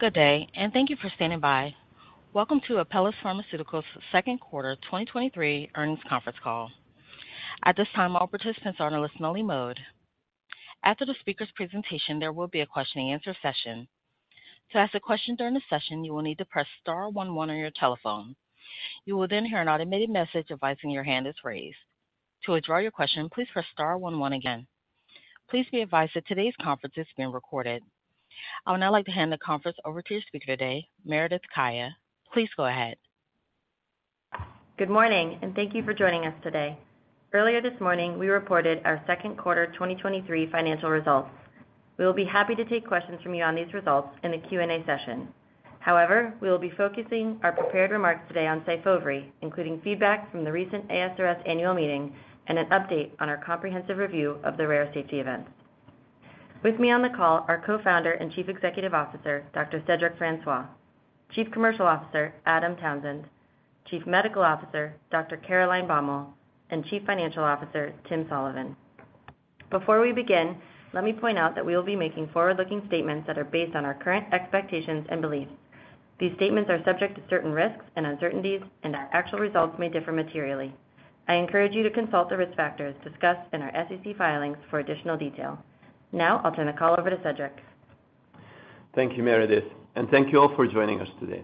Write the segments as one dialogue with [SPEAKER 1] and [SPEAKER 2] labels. [SPEAKER 1] Good day, and thank you for standing by. Welcome to Apellis Pharmaceuticals' second quarter 2023 earnings conference call. At this time, all participants are in a listen-only mode. After the speaker's presentation, there will be a question-and-answer session. To ask a question during the session, you will need to press star one one on your telephone. You will then hear an automated message advising your hand is raised. To withdraw your question, please press star one one again. Please be advised that today's conference is being recorded. I would now like to hand the conference over to your speaker today, Meredith Kaya. Please go ahead.
[SPEAKER 2] Good morning, and thank you for joining us today. Earlier this morning, we reported our second quarter 2023 financial results. We will be happy to take questions from you on these results in the Q&A session. However, we will be focusing our prepared remarks today on SYFOVRE, including feedback from the recent ASRS annual meeting and an update on our comprehensive review of the rare safety events. With me on the call are Co-Founder and Chief Executive Officer, Dr. Cedric Francois; Chief Commercial Officer, Adam Townsend; Chief Medical Officer, Dr. Caroline Baumal; and Chief Financial Officer, Tim Sullivan. Before we begin, let me point out that we will be making forward-looking statements that are based on our current expectations and beliefs. These statements are subject to certain risks and uncertainties, and our actual results may differ materially. I encourage you to consult the risk factors discussed in our SEC filings for additional detail. Now, I'll turn the call over to Cedric.
[SPEAKER 3] Thank you, Meredith, and thank you all for joining us today.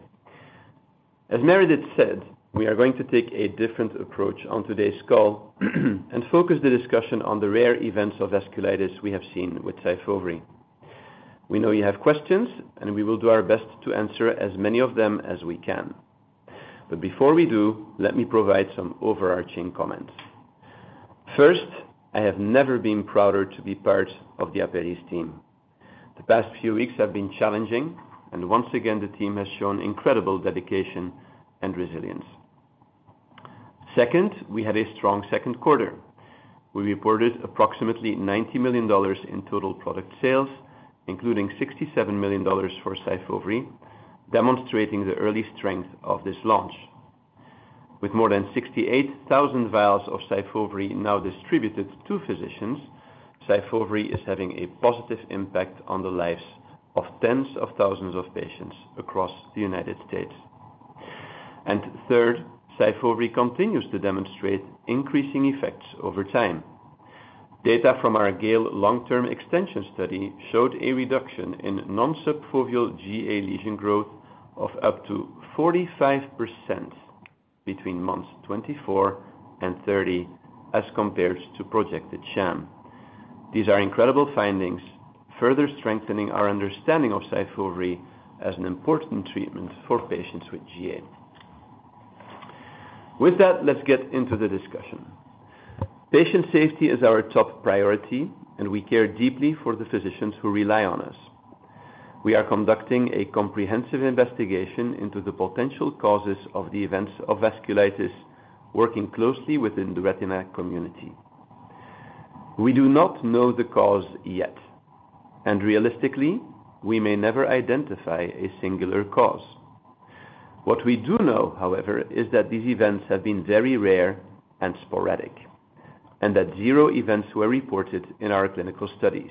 [SPEAKER 3] As Meredith said, we are going to take a different approach on today's call and focus the discussion on the rare events of vasculitis we have seen with SYFOVRE. We know you have questions, and we will do our best to answer as many of them as we can. Before we do, let me provide some overarching comments. First, I have never been prouder to be part of the Apellis team. The past few weeks have been challenging, and once again, the team has shown incredible dedication and resilience. Second, we had a strong second quarter. We reported approximately $90 million in total product sales, including $67 million for SYFOVRE, demonstrating the early strength of this launch. With more than 68,000 vials of SYFOVRE now distributed to physicians, SYFOVRE is having a positive impact on the lives of tens of thousands of patients across the United States. Third, SYFOVRE continues to demonstrate increasing effects over time. Data from our GALE long-term extension study showed a reduction in non-subfoveal GA lesion growth of up to 45% between months 24 and 30 as compared to projected sham. These are incredible findings, further strengthening our understanding of SYFOVRE as an important treatment for patients with GA. With that, let's get into the discussion. Patient safety is our top priority, and we care deeply for the physicians who rely on us. We are conducting a comprehensive investigation into the potential causes of the events of vasculitis, working closely within the retina community. We do not know the cause yet, and realistically, we may never identify a singular cause. What we do know, however, is that these events have been very rare and sporadic, and that zero events were reported in our clinical studies.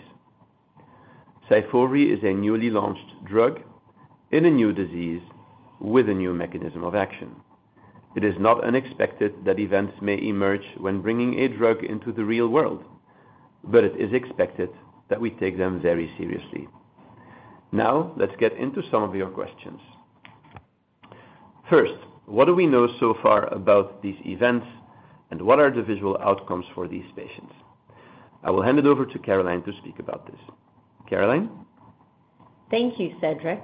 [SPEAKER 3] SYFOVRE is a newly launched drug in a new disease with a new mechanism of action. It is not unexpected that events may emerge when bringing a drug into the real world, but it is expected that we take them very seriously. Now, let's get into some of your questions. First, what do we know so far about these events, and what are the visual outcomes for these patients? I will hand it over to Caroline to speak about this. Caroline?
[SPEAKER 4] Thank you, Cedric.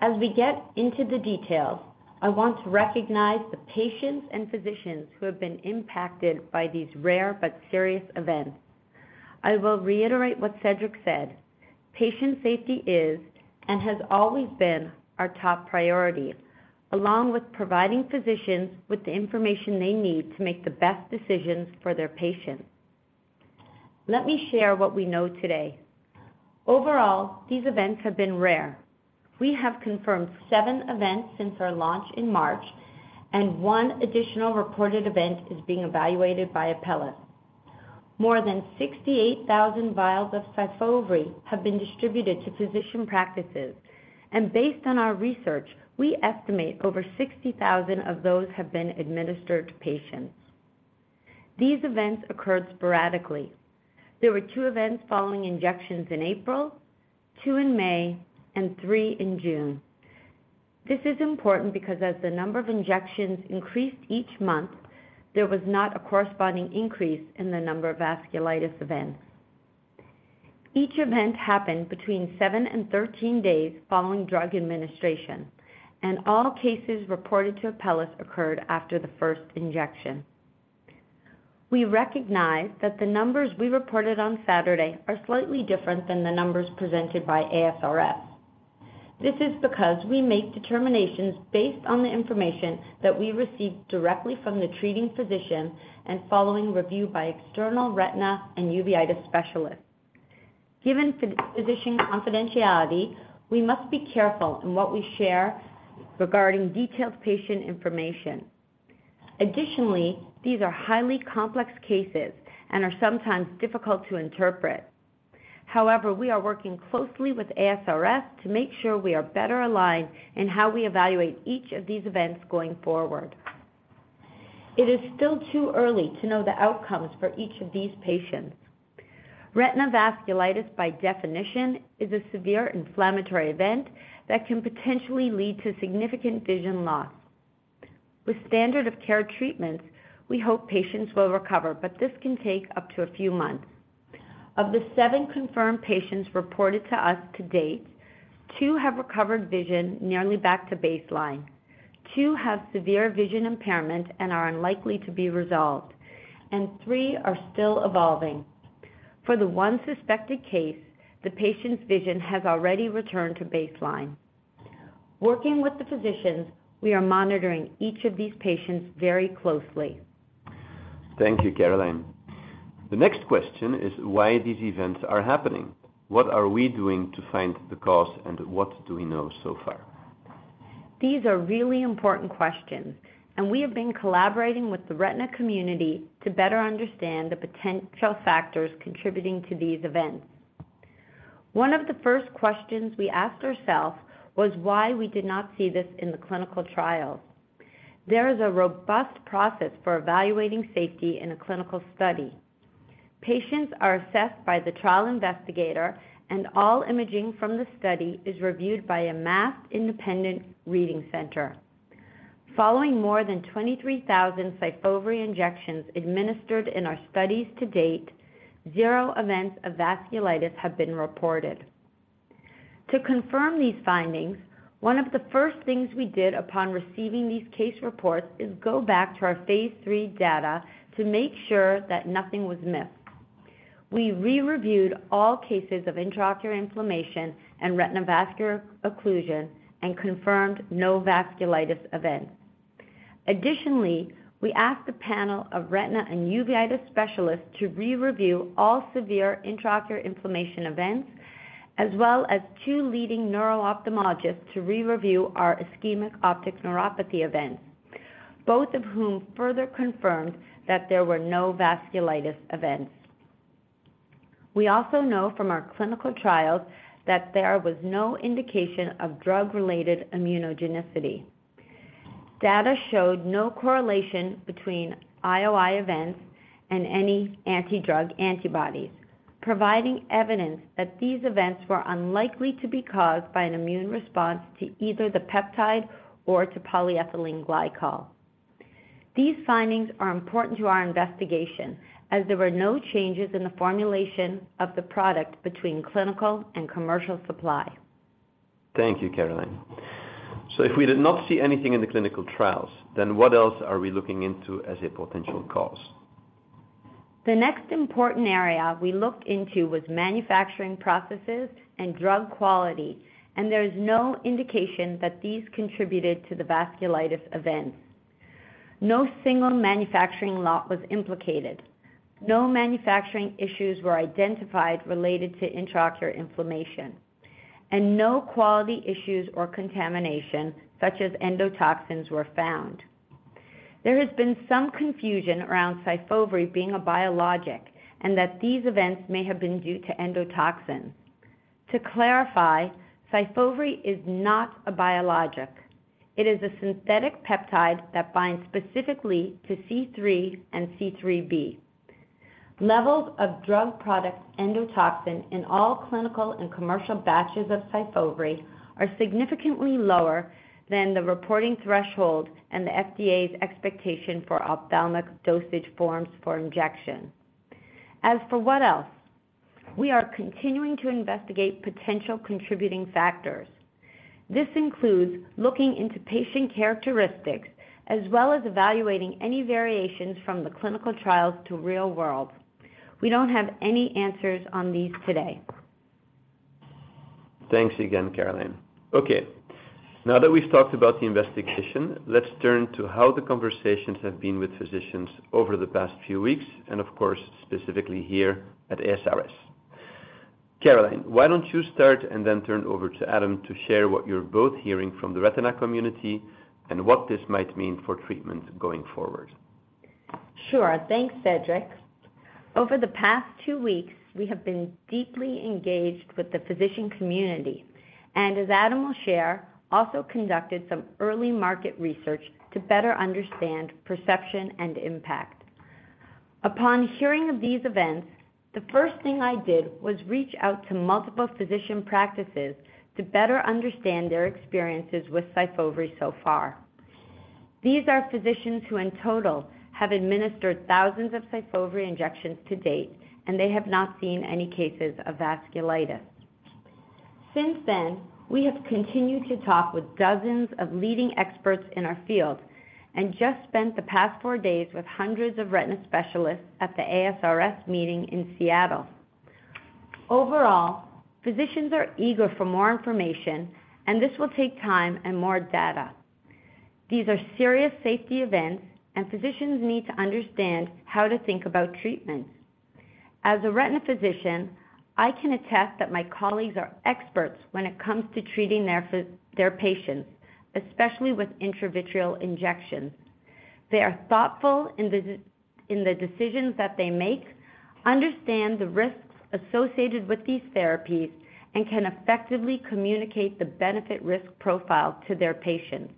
[SPEAKER 4] As we get into the details, I want to recognize the patients and physicians who have been impacted by these rare but serious events. I will reiterate what Cedric said: Patient safety is and has always been our top priority, along with providing physicians with the information they need to make the best decisions for their patients. Let me share what we know today. Overall, these events have been rare. We have confirmed seven events since our launch in March, and one additional reported event is being evaluated by Apellis. More than 68,000 vials of SYFOVRE have been distributed to physician practices, and based on our research, we estimate over 60,000 of those have been administered to patients. These events occurred sporadically. There were two events following injections in April, two in May, and three in June. This is important because as the number of injections increased each month, there was not a corresponding increase in the number of vasculitis events. Each event happened between seven and 13 days following drug administration, and all cases reported to Apellis occurred after the first injection. We recognize that the numbers we reported on Saturday are slightly different than the numbers presented by ASRS. This is because we make determinations based on the information that we receive directly from the treating physician and following review by external retina and uveitis specialists. Given physician confidentiality, we must be careful in what we share regarding detailed patient information.... Additionally, these are highly complex cases and are sometimes difficult to interpret. However, we are working closely with ASRS to make sure we are better aligned in how we evaluate each of these events going forward. It is still too early to know the outcomes for each of these patients. Retinal vasculitis, by definition, is a severe inflammatory event that can potentially lead to significant vision loss. With standard of care treatments, we hope patients will recover, but this can take up to a few months. Of the seven confirmed patients reported to us to date, two have recovered vision nearly back to baseline. Two have severe vision impairment and are unlikely to be resolved, and three are still evolving. For the one suspected case, the patient's vision has already returned to baseline. Working with the physicians, we are monitoring each of these patients very closely.
[SPEAKER 3] Thank you, Caroline. The next question is why these events are happening. What are we doing to find the cause, and what do we know so far?
[SPEAKER 4] These are really important questions, and we have been collaborating with the retina community to better understand the potential factors contributing to these events. One of the first questions we asked ourselves was why we did not see this in the clinical trials. There is a robust process for evaluating safety in a clinical study. Patients are assessed by the trial investigator, and all imaging from the study is reviewed by a masked, independent reading center. Following more than 23,000 SYFOVRE injections administered in our studies to date, zero events of vasculitis have been reported. To confirm these findings, one of the first things we did upon receiving these case reports is go back to our phase III data to make sure that nothing was missed. We re-reviewed all cases of intraocular inflammation and retinal vascular occlusion and confirmed no vasculitis events. Additionally, we asked the panel of retina and uveitis specialists to re-review all severe intraocular inflammation events, as well as two leading neuro-ophthalmologists to re-review our ischemic optic neuropathy events, both of whom further confirmed that there were no vasculitis events. We also know from our clinical trials that there was no indication of drug-related immunogenicity. Data showed no correlation between IOI events and any anti-drug antibodies, providing evidence that these events were unlikely to be caused by an immune response to either the peptide or to polyethylene glycol. These findings are important to our investigation, as there were no changes in the formulation of the product between clinical and commercial supply.
[SPEAKER 3] Thank you, Caroline. If we did not see anything in the clinical trials, then what else are we looking into as a potential cause?
[SPEAKER 4] The next important area we looked into was manufacturing processes and drug quality. There is no indication that these contributed to the vasculitis events. No single manufacturing lot was implicated. No manufacturing issues were identified related to intraocular inflammation, and no quality issues or contamination, such as endotoxins, were found. There has been some confusion around SYFOVRE being a biologic and that these events may have been due to endotoxin. To clarify, SYFOVRE is not a biologic. It is a synthetic peptide that binds specifically to C3 and C3b. Levels of drug product endotoxin in all clinical and commercial batches of SYFOVRE are significantly lower than the reporting threshold and the FDA's expectation for ophthalmic dosage forms for injection. As for what else, we are continuing to investigate potential contributing factors. This includes looking into patient characteristics, as well as evaluating any variations from the clinical trials to real-world. We don't have any answers on these today.
[SPEAKER 3] Thanks again, Caroline. Okay, now that we've talked about the investigation, let's turn to how the conversations have been with physicians over the past few weeks, and of course, specifically here at ASRS. Caroline, why don't you start and then turn over to Adam to share what you're both hearing from the retina community and what this might mean for treatment going forward?
[SPEAKER 4] Sure. Thanks, Cedric. Over the past two weeks, we have been deeply engaged with the physician community, and as Adam will share, also conducted some early market research to better understand perception and impact. Upon hearing of these events, the first thing I did was reach out to multiple physician practices to better understand their experiences with SYFOVRE so far. These are physicians who in total, have administered thousands of SYFOVRE injections to date, and they have not seen any cases of vasculitis. Since then, we have continued to talk with dozens of leading experts in our field and just spent the past four days with hundreds of retina specialists at the ASRS meeting in Seattle. Overall, physicians are eager for more information, and this will take time and more data. These are serious safety events, and physicians need to understand how to think about treatment. As a retina physician, I can attest that my colleagues are experts when it comes to treating their patients, especially with intravitreal injections. They are thoughtful in the decisions that they make, understand the risks associated with these therapies, and can effectively communicate the benefit-risk profile to their patients.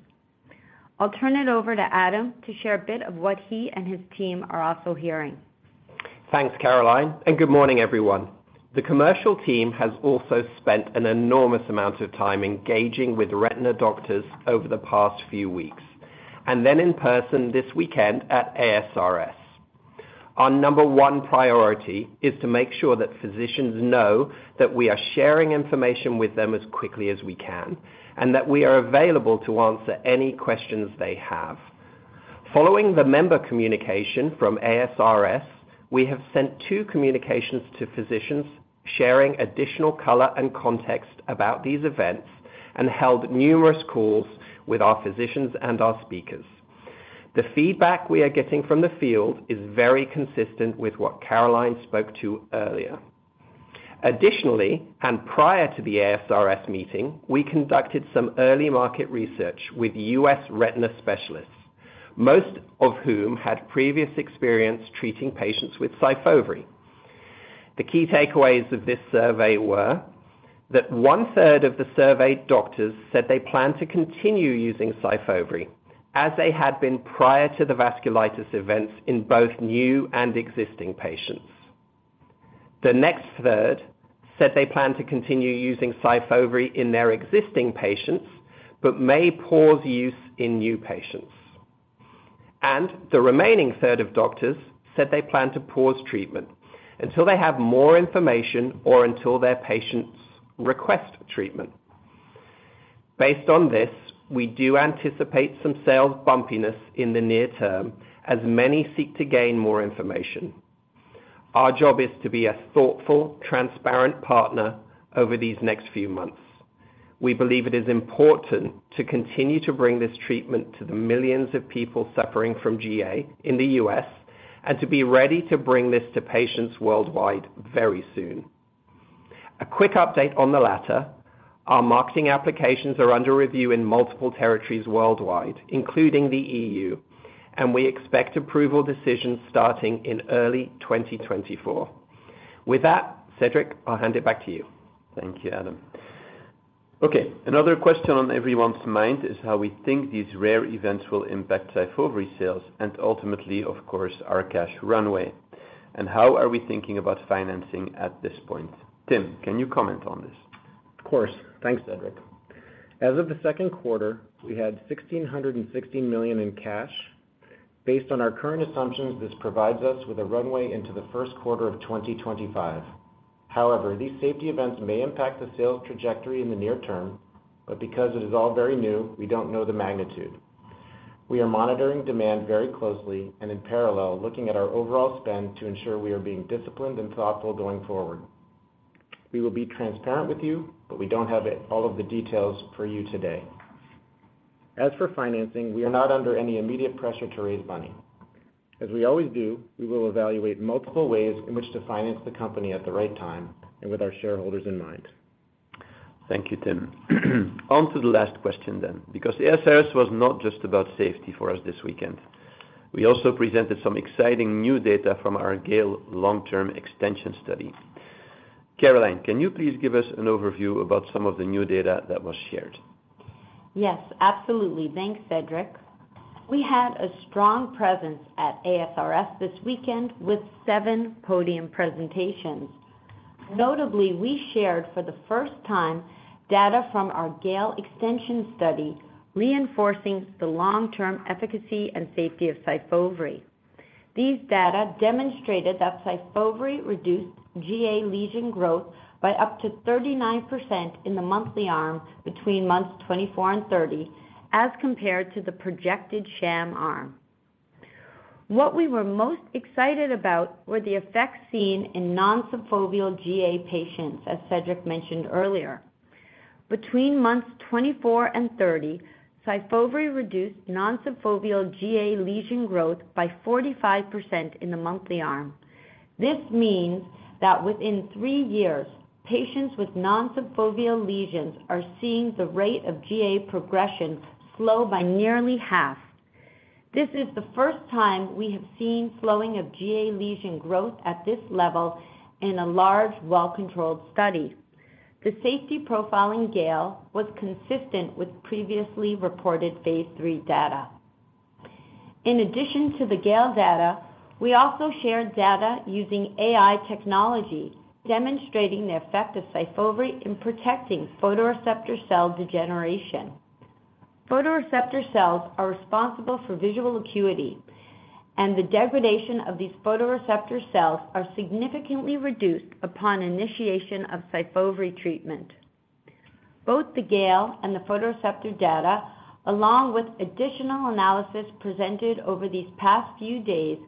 [SPEAKER 4] I'll turn it over to Adam to share a bit of what he and his team are also hearing.
[SPEAKER 5] Thanks, Caroline. Good morning, everyone. The commercial team has also spent an enormous amount of time engaging with retina doctors over the past few weeks, and then in person this weekend at ASRS. Our number one priority is to make sure that physicians know that we are sharing information with them as quickly as we can, and that we are available to answer any questions they have. Following the member communication from ASRS, we have sent two communications to physicians sharing additional color and context about these events, and held numerous calls with our physicians and our speakers. The feedback we are getting from the field is very consistent with what Caroline spoke to earlier. Additionally, prior to the ASRS meeting, we conducted some early market research with U.S. retina specialists, most of whom had previous experience treating patients with SYFOVRE. The key takeaways of this survey were that one-third of the surveyed doctors said they plan to continue using SYFOVRE, as they had been prior to the vasculitis events in both new and existing patients. The next third said they plan to continue using SYFOVRE in their existing patients, but may pause use in new patients. The remaining third of doctors said they plan to pause treatment until they have more information or until their patients request treatment. Based on this, we do anticipate some sales bumpiness in the near term, as many seek to gain more information. Our job is to be a thoughtful, transparent partner over these next few months. We believe it is important to continue to bring this treatment to the millions of people suffering from GA in the U.S., and to be ready to bring this to patients worldwide very soon. A quick update on the latter. Our marketing applications are under review in multiple territories worldwide, including the EU. We expect approval decisions starting in early 2024. With that, Cedric, I'll hand it back to you.
[SPEAKER 3] Thank you, Adam. Okay, another question on everyone's mind is how we think these rare events will impact SYFOVRE sales, and ultimately, of course, our cash runway, and how are we thinking about financing at this point. Tim, can you comment on this?
[SPEAKER 6] Of course. Thanks, Cedric. As of the second quarter, we had $1,660 million in cash. Based on our current assumptions, this provides us with a runway into the first quarter of 2025. These safety events may impact the sales trajectory in the near term, but because it is all very new, we don't know the magnitude. We are monitoring demand very closely and in parallel, looking at our overall spend to ensure we are being disciplined and thoughtful going forward. We will be transparent with you, but we don't have it, all of the details for you today. As for financing, we are not under any immediate pressure to raise money. As we always do, we will evaluate multiple ways in which to finance the company at the right time and with our shareholders in mind.
[SPEAKER 3] Thank you, Tim. To the last question then, because the ASRS was not just about safety for us this weekend. We also presented some exciting new data from our GALE long-term extension study. Caroline, can you please give us an overview about some of the new data that was shared?
[SPEAKER 4] Yes, absolutely. Thanks, Cedric. We had a strong presence at ASRS this weekend with seven podium presentations. Notably, we shared for the first time, data from our GALE Extension Study, reinforcing the long-term efficacy and safety of SYFOVRE. These data demonstrated that SYFOVRE reduced GA lesion growth by up to 39% in the monthly arm between months 24 and 30, as compared to the projected sham arm. What we were most excited about were the effects seen in nonsubfoveal GA patients, as Cedric mentioned earlier. Between months 24 and 30, SYFOVRE reduced nonsubfoveal GA lesion growth by 45% in the monthly arm. This means that within three years, patients with nonsubfoveal lesions are seeing the rate of GA progression slow by nearly half. This is the first time we have seen slowing of GA lesion growth at this level in a large, well-controlled study. The safety profile in GALE was consistent with previously reported phase III data. In addition to the GALE data, we also shared data using AI technology, demonstrating the effect of SYFOVRE in protecting photoreceptor cell degeneration. Photoreceptor cells are responsible for visual acuity, and the degradation of these photoreceptor cells are significantly reduced upon initiation of SYFOVRE treatment. Both the GALE and the photoreceptor data, along with additional analysis presented over these past few days,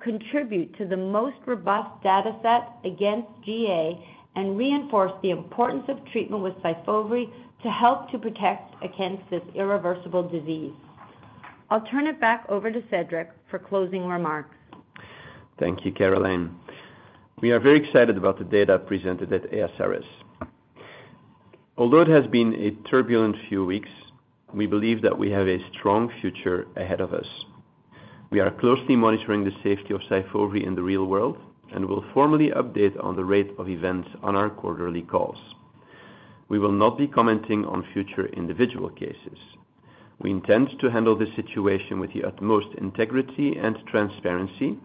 [SPEAKER 4] contribute to the most robust data set against GA and reinforce the importance of treatment with SYFOVRE to help to protect against this irreversible disease. I'll turn it back over to Cedric for closing remarks.
[SPEAKER 3] Thank you, Caroline. We are very excited about the data presented at ASRS. Although it has been a turbulent few weeks, we believe that we have a strong future ahead of us. We are closely monitoring the safety of SYFOVRE in the real world and will formally update on the rate of events on our quarterly calls. We will not be commenting on future individual cases. We intend to handle this situation with the utmost integrity and transparency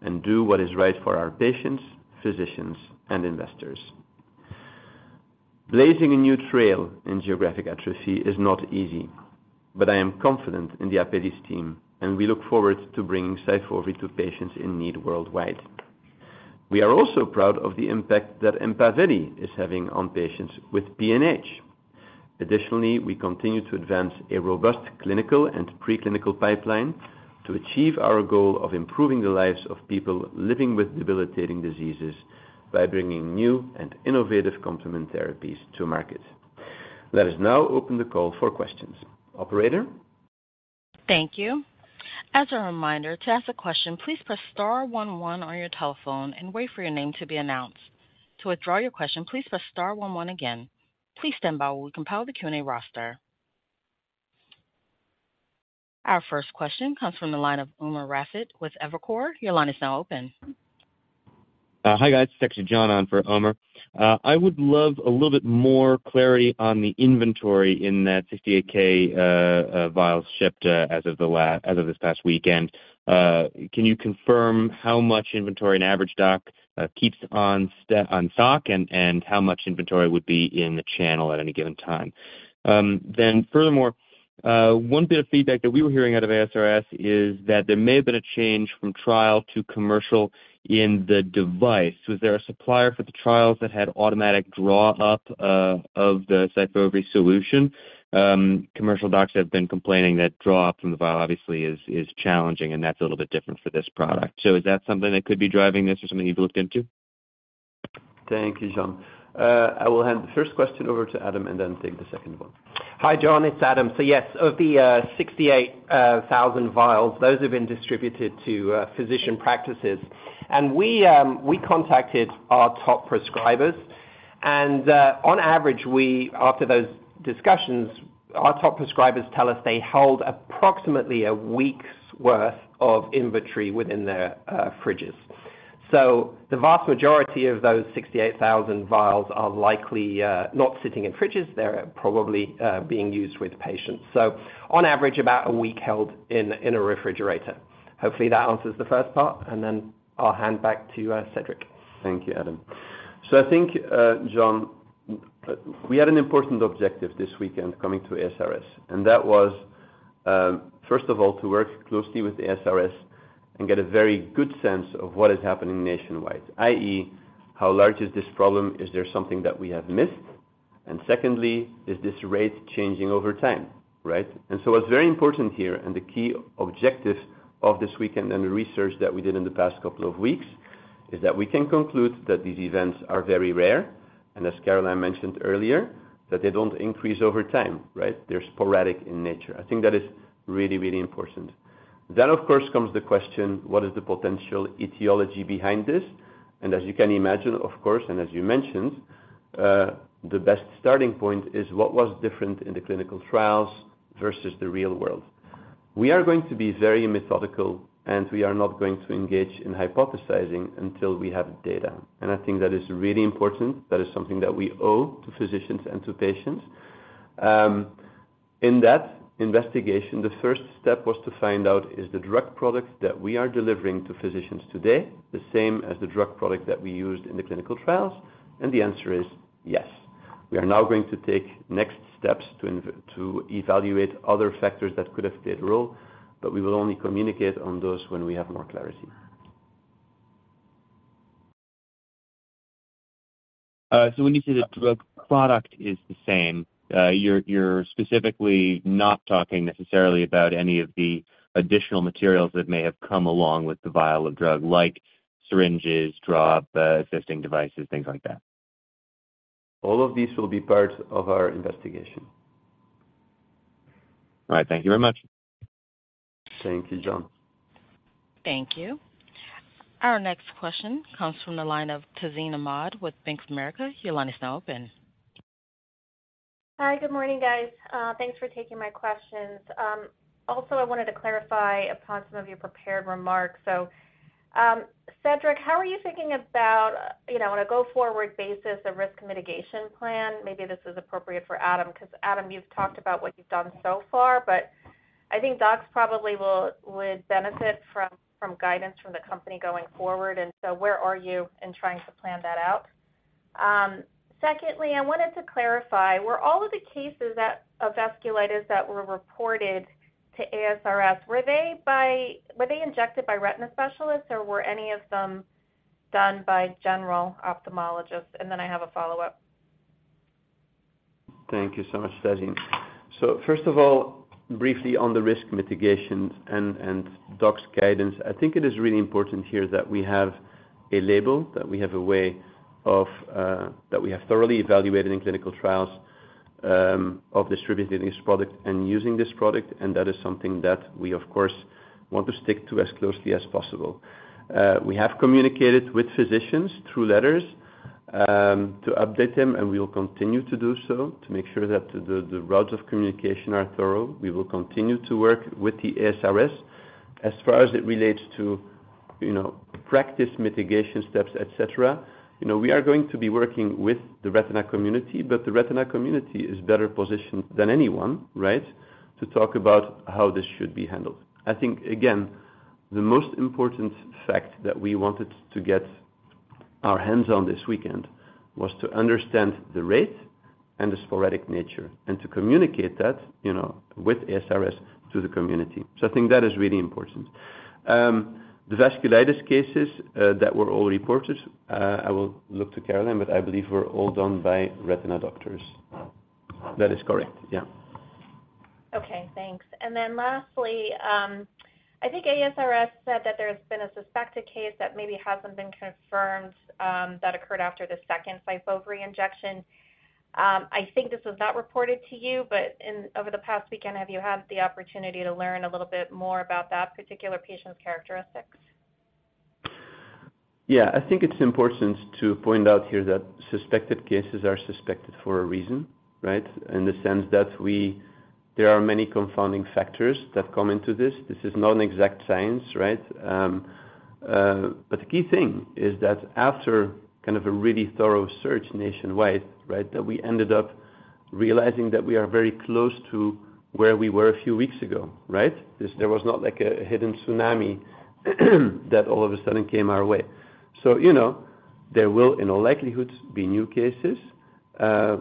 [SPEAKER 3] and do what is right for our patients, physicians, and investors. Blazing a new trail in geographic atrophy is not easy, but I am confident in the Apellis team, and we look forward to bringing SYFOVRE to patients in need worldwide. We are also proud of the impact that EMPAVELI is having on patients with PNH. Additionally, we continue to advance a robust clinical and preclinical pipeline to achieve our goal of improving the lives of people living with debilitating diseases by bringing new and innovative complement therapies to market. Let us now open the call for questions. Operator?
[SPEAKER 1] Thank you. As a reminder, to ask a question, please press star one one on your telephone and wait for your name to be announced. To withdraw your question, please press star one one again. Please stand by while we compile the Q&A roster. Our first question comes from the line of Umer Raffat with Evercore. Your line is now open.
[SPEAKER 7] Hi, guys. It's actually Jon on for Umer. I would love a little bit more clarity on the inventory in that 68,000, vial shipped, as of this past weekend. Can you confirm how much inventory an average doc keeps on stock, and how much inventory would be in the channel at any given time? Furthermore, one bit of feedback that we were hearing out of ASRS is that there may have been a change from trial to commercial in the device. Was there a supplier for the trials that had automatic draw up, of the SYFOVRE solution? Commercial docs have been complaining that draw up from the vial obviously is challenging, and that's a little bit different for this product. Is that something that could be driving this or something you've looked into?
[SPEAKER 3] Thank you, Jon. I will hand the first question over to Adam and then take the second one.
[SPEAKER 5] Hi, Jon, it's Adam. Yes, of the 68,000 vials, those have been distributed to physician practices. We contacted our top prescribers, and on average, after those discussions, our top prescribers tell us they hold approximately one week's worth of inventory within their fridges. The vast majority of those 68,000 vials are likely not sitting in fridges. They're probably being used with patients. On average, about one week held in a refrigerator. Hopefully, that answers the first part, and then I'll hand back to Cedric.
[SPEAKER 3] Thank you, Adam. I think, John, we had an important objective this weekend coming to ASRS, and that was, first of all, to work closely with the ASRS and get a very good sense of what is happening nationwide, i.e., how large is this problem? Is there something that we have missed? Secondly, is this rate changing over time, right? What's very important here, and the key objective of this weekend and the research that we did in the past couple of weeks, is that we can conclude that these events are very rare, and as Caroline mentioned earlier, that they don't increase over time, right? They're sporadic in nature. I think that is really, really important. Of course, comes the question, what is the potential etiology behind this? As you can imagine, of course, and as you mentioned, the best starting point is what was different in the clinical trials versus the real world. We are going to be very methodical, and we are not going to engage in hypothesizing until we have data, and I think that is really important. That is something that we owe to physicians and to patients. In that investigation, the first step was to find out, is the drug product that we are delivering to physicians today the same as the drug product that we used in the clinical trials? The answer is yes. We are now going to take next steps to evaluate other factors that could have played a role, but we will only communicate on those when we have more clarity.
[SPEAKER 7] When you say the drug product is the same, you're, you're specifically not talking necessarily about any of the additional materials that may have come along with the vial of drug, like syringes, drop, assisting devices, things like that?
[SPEAKER 3] All of these will be part of our investigation.
[SPEAKER 7] All right. Thank you very much.
[SPEAKER 3] Thank you, Jon.
[SPEAKER 1] Thank you. Our next question comes from the line of Tazeen Ahmad with Bank of America. Your line is now open.
[SPEAKER 8] Hi, good morning, guys. Thanks for taking my questions. Also, I wanted to clarify upon some of your prepared remarks. Cedric, how are you thinking about, you know, on a go-forward basis, a risk mitigation plan? Maybe this is appropriate for Adam, 'cause Adam, you've talked about what you've done so far, but I think docs probably would benefit from, from guidance from the company going forward, where are you in trying to plan that out? Secondly, I wanted to clarify, were all of the cases of vasculitis that were reported to ASRS, were they injected by retina specialists, or were any of them done by general ophthalmologists? Then I have a follow-up.
[SPEAKER 3] Thank you so much, Tazeen. First of all, briefly on the risk mitigation and, and docs' guidance, I think it is really important here that we have a label, that we have a way of, that we have thoroughly evaluated in clinical trials, of distributing this product and using this product. That is something that we, of course, want to stick to as closely as possible. We have communicated with physicians through letters, to update them, and we will continue to do so to make sure that the, the routes of communication are thorough. We will continue to work with the ASRS. As far as it relates to, you know, practice mitigation steps, et cetera, you know, we are going to be working with the retina community, but the retina community is better positioned than anyone, right? To talk about how this should be handled. I think, again, the most important fact that we wanted to get our hands on this weekend was to understand the rate and the sporadic nature, and to communicate that, you know, with ASRS to the community. I think that is really important. The vasculitis cases that were all reported, I will look to Caroline, but I believe were all done by retina doctors. That is correct, yeah.
[SPEAKER 8] Okay, thanks. Then lastly, I think ASRS said that there's been a suspected case that maybe hasn't been confirmed that occurred after the second SYFOVRE injection. I think this was not reported to you, but over the past weekend, have you had the opportunity to learn a little bit more about that particular patient's characteristics?
[SPEAKER 3] Yeah. I think it's important to point out here that suspected cases are suspected for a reason, right? In the sense that there are many confounding factors that come into this. This is not an exact science, right? The key thing is that after kind of a really thorough search nationwide, right, that we ended up realizing that we are very close to where we were a few weeks ago, right? This, there was not, like, a hidden tsunami, that all of a sudden came our way. You know, there will, in all likelihood, be new cases.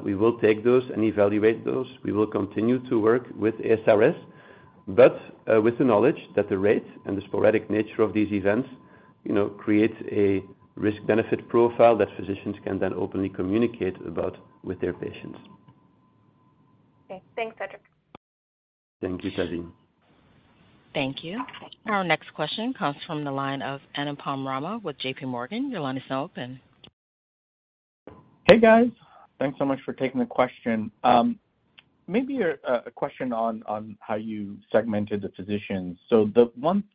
[SPEAKER 3] We will take those and evaluate those. We will continue to work with ASRS, but, with the knowledge that the rate and the sporadic nature of these events, you know, create a risk-benefit profile that physicians can then openly communicate about with their patients.
[SPEAKER 8] Okay. Thanks, Cedric.
[SPEAKER 3] Thank you, Tazeen.
[SPEAKER 1] Thank you. Our next question comes from the line of Anupam Rama with JPMorgan. Your line is now open.
[SPEAKER 9] Hey, guys. Thanks so much for taking the question. maybe a question on how you segmented the physicians.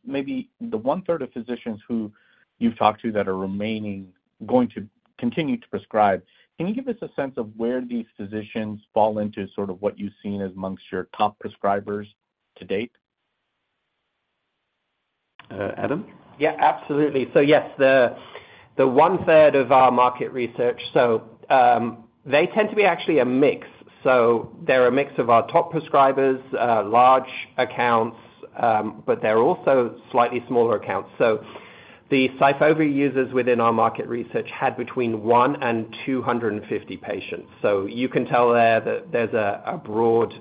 [SPEAKER 9] maybe the one-third of physicians who you've talked to that are remaining, going to continue to prescribe, can you give us a sense of where these physicians fall into sort of what you've seen amongst your top prescribers to date?
[SPEAKER 3] Adam?
[SPEAKER 5] Yeah, absolutely. Yes, the one-third of our market research. They tend to be actually a mix. They're a mix of our top prescribers, large accounts, but they're also slightly smaller accounts. The SYFOVRE users within our market research had between one and 250 patients. You can tell there that there's a broad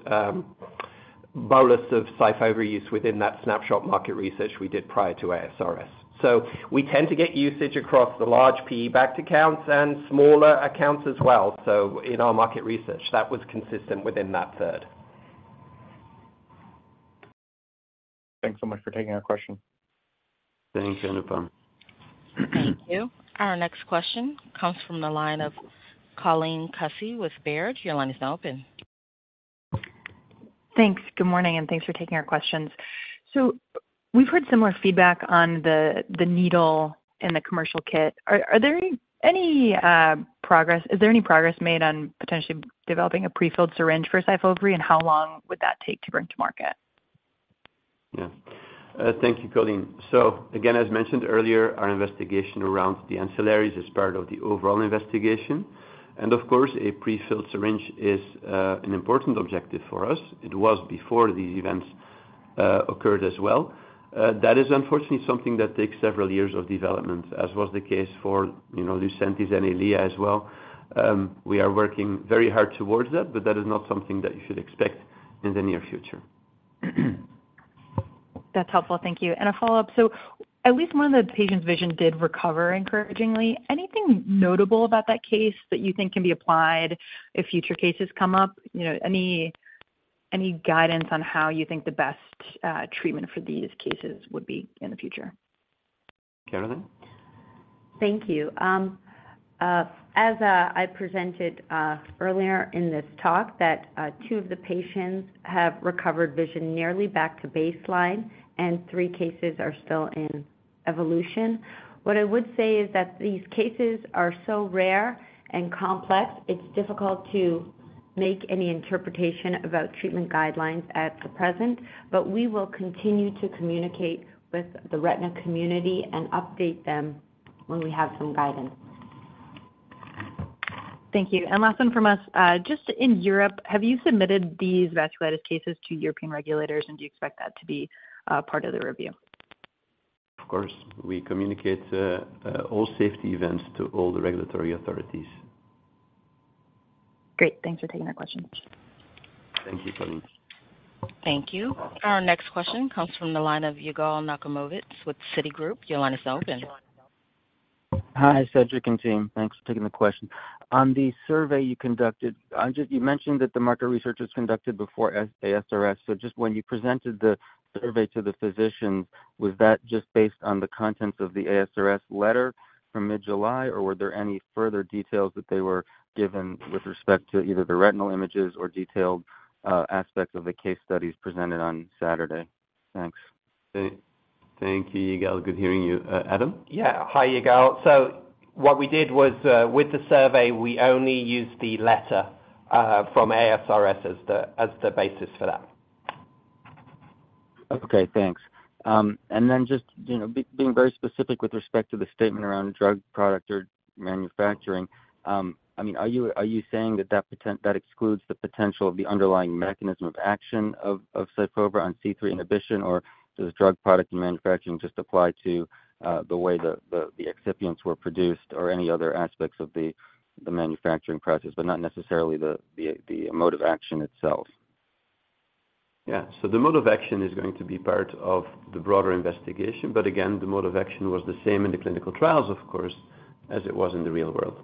[SPEAKER 5] bolus of SYFOVRE use within that snapshot market research we did prior to ASRS. We tend to get usage across the large PE-backed accounts and smaller accounts as well. In our market research, that was consistent within that third.
[SPEAKER 9] Thanks so much for taking our question.
[SPEAKER 3] Thank you, Anupam.
[SPEAKER 1] Thank you. Our next question comes from the line of Colleen Kusy with Baird. Your line is now open.
[SPEAKER 10] Thanks. Good morning, and thanks for taking our questions. We've heard similar feedback on the needle and the commercial kit. Is there any progress made on potentially developing a prefilled syringe for SYFOVRE? How long would that take to bring to market?
[SPEAKER 3] Yeah. Thank you, Colleen. Again, as mentioned earlier, our investigation around the ancillaries is part of the overall investigation. Of course, a prefilled syringe is an important objective for us. It was before these events occurred as well. That is unfortunately, something that takes several years of development, as was the case for, you know, LUCENTIS and EYLEA as well. We are working very hard towards that, but that is not something that you should expect in the near future.
[SPEAKER 10] That's helpful. Thank you. A follow-up: At least one of the patient's vision did recover, encouragingly. Anything notable about that case that you think can be applied if future cases come up? You know, any, any guidance on how you think the best treatment for these cases would be in the future?
[SPEAKER 3] Caroline?
[SPEAKER 4] Thank you. As I presented earlier in this talk, two of the patients have recovered vision nearly back to baseline, and three cases are still in evolution. What I would say is that these cases are so rare and complex, it's difficult to make any interpretation about treatment guidelines at the present. We will continue to communicate with the retina community and update them when we have some guidance.
[SPEAKER 10] Thank you. Last one from us. Just in Europe, have you submitted these vasculitis cases to European regulators, and do you expect that to be part of the review?
[SPEAKER 3] Of course, we communicate all safety events to all the regulatory authorities.
[SPEAKER 10] Great. Thanks for taking our questions.
[SPEAKER 3] Thank you, Colleen.
[SPEAKER 1] Thank you. Our next question comes from the line of Yigal Nochomovitz with Citigroup. Your line is open.
[SPEAKER 11] Hi, Cedric and team. Thanks for taking the question. On the survey you conducted, you mentioned that the market research was conducted before ASRS. Just when you presented the survey to the physicians, was that just based on the contents of the ASRS letter from mid-July, or were there any further details that they were given with respect to either the retinal images or detailed aspects of the case studies presented on Saturday? Thanks.
[SPEAKER 3] Thank you, Yigal. Good hearing you. Adam?
[SPEAKER 5] Yeah. Hi, Yigal. What we did was, with the survey, we only used the letter, from ASRS as the basis for that.
[SPEAKER 11] Okay, thanks. Then just, you know, being very specific with respect to the statement around drug product or manufacturing, I mean, are you, are you saying that, that excludes the potential of the underlying mechanism of action of SYFOVRE on C3 inhibition, or does drug product and manufacturing just apply to the way the excipients were produced or any other aspects of the manufacturing process, but not necessarily the mode of action itself?
[SPEAKER 3] Yeah. The mode of action is going to be part of the broader investigation, but again, the mode of action was the same in the clinical trials, of course, as it was in the real world.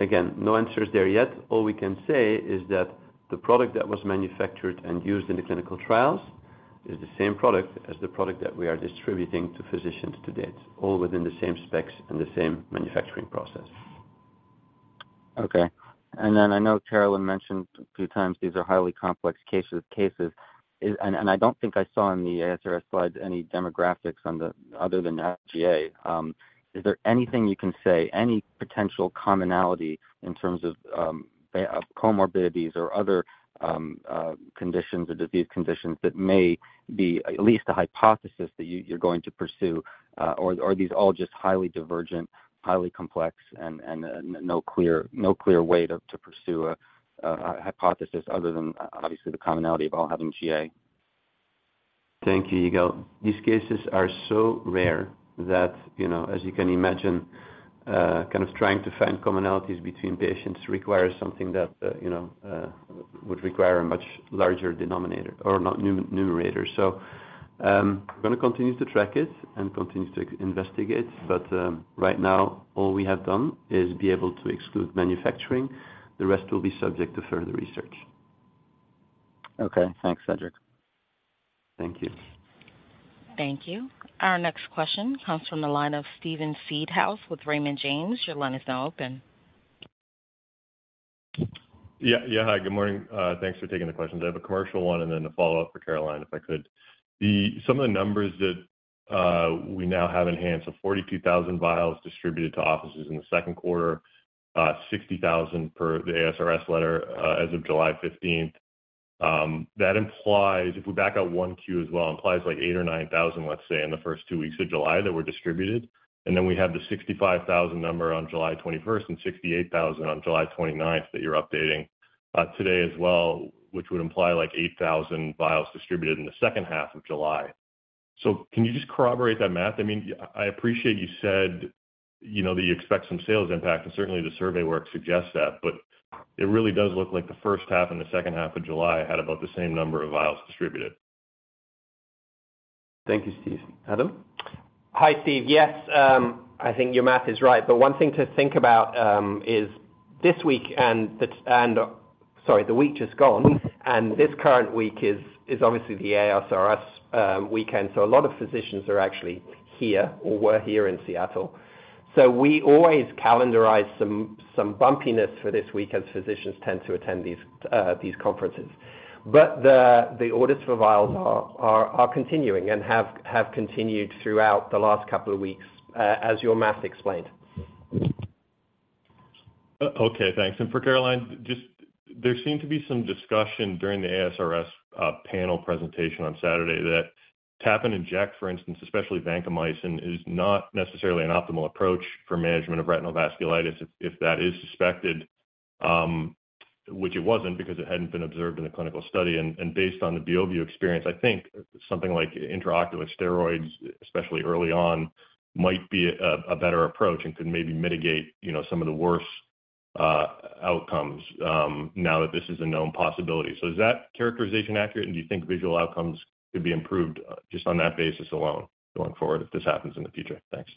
[SPEAKER 3] Again, no answers there yet. All we can say is that the product that was manufactured and used in the clinical trials is the same product as the product that we are distributing to physicians to date, all within the same specs and the same manufacturing process.
[SPEAKER 11] Okay. I know Caroline mentioned a few times, these are highly complex cases. And I don't think I saw in the ASRS slide any demographics on the, other than GA. Is there anything you can say, any potential commonality in terms of, comorbidities or other, conditions or disease conditions that may be at least a hypothesis that you, you're going to pursue? Or are these all just highly divergent, highly complex and, no clear way to pursue a hypothesis other than obviously, the commonality of all having GA?
[SPEAKER 3] Thank you, Yigal. These cases are so rare that, you know, as you can imagine, kind of trying to find commonalities between patients requires something that, you know, would require a much larger denominator or not, numerator. We're gonna continue to track it and continue to investigate, but right now, all we have done is be able to exclude manufacturing. The rest will be subject to further research.
[SPEAKER 11] Okay. Thanks, Cedric.
[SPEAKER 3] Thank you.
[SPEAKER 1] Thank you. Our next question comes from the line of Steven Seedhouse with Raymond James. Your line is now open.
[SPEAKER 12] Yeah, yeah. Hi, good morning. Thanks for taking the questions. I have a commercial one and then a follow-up for Caroline, if I could. The... Some of the numbers that, we now have in hand, so 42,000 vials distributed to offices in the second quarter, 60,000 per the ASRS letter, as of July 15th. That implies, if we back out 1Q as well, implies like 8,000 or 9,000, let's say, in the first two weeks of July that were distributed. Then we have the 65,000 number on July 21st, and 68,000 on July 29th that you're updating, today as well, which would imply like 8,000 vials distributed in the second half of July. Can you just corroborate that math? I mean, I, I appreciate you said, you know, that you expect some sales impact, and certainly the survey work suggests that, but it really does look like the first half and the second half of July had about the same number of vials distributed.
[SPEAKER 3] Thank you, Steve. Adam?
[SPEAKER 5] Hi, Steve. Yes, I think your math is right, but one thing to think about, is this week and the week just gone, and this current week is obviously the ASRS weekend, so a lot of physicians are actually here or were here in Seattle. We always calendarize some bumpiness for this week as physicians tend to attend these conferences. The orders for vials are continuing and have continued throughout the last couple of weeks, as your math explained.
[SPEAKER 12] Okay, thanks. For Caroline, just there seemed to be some discussion during the ASRS panel presentation on Saturday, that tap and inject, for instance, especially vancomycin, is not necessarily an optimal approach for management of retinal vasculitis, if, if that is suspected. Which it wasn't, because it hadn't been observed in a clinical study, and, and based on the Beovu experience, I think something like intraocular steroids, especially early on, might be a, a better approach and could maybe mitigate, you know, some of the worst outcomes, now that this is a known possibility. Is that characterization accurate, and do you think visual outcomes could be improved just on that basis alone going forward, if this happens in the future? Thanks.